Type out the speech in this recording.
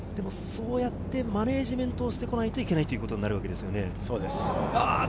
そうやってマネジメントしていかないといけないということですね。